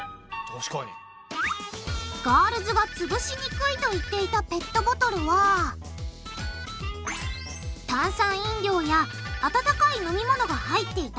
ガールズがつぶしにくいと言っていたペットボトルは炭酸飲料や温かい飲み物が入っていたもの。